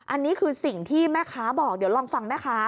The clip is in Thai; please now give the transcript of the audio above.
อันนี้คือสิ่งที่แม่ค้าบอกเดี๋ยวลองฟังแม่ค้า